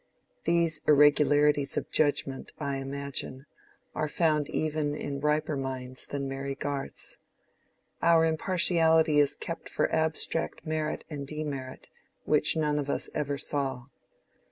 These irregularities of judgment, I imagine, are found even in riper minds than Mary Garth's: our impartiality is kept for abstract merit and demerit, which none of us ever saw.